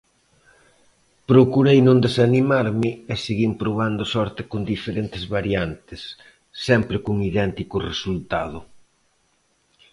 Procurei non desanimarme e seguín probando sorte con diferentes variantes, sempre con idéntico resultado.